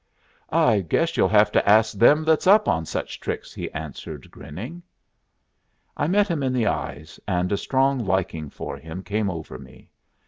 "I guess you'll have to ask them that's up on such tricks," he answered, grinning. I met him in the eyes, and a strong liking for him came over me.